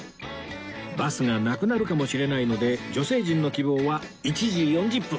バスがなくなるかもしれないので女性陣の希望は１時４０分